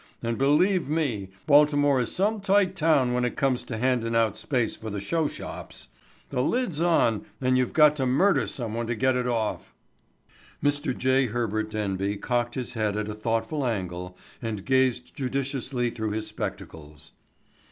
And, believe me, Baltimore is some tight town when it comes to handin' out space for the showshops. The lid's on and you've got to murder someone to get it off." Mr. J. Herbert Denby cocked his head at a thoughtful angle and gazed judicially through his spectacles.